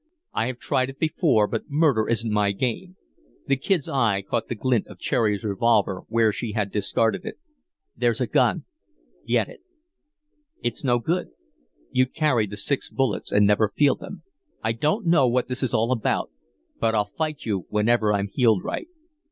"I have tried it before, but murder isn't my game." The Kid's eye caught the glint of Cherry's revolver where she had discarded it. "There's a gun get it." "It's no good. You'd carry the six bullets and never feel them. I don't know what this is all about, but I'll fight you whenever I'm heeled right."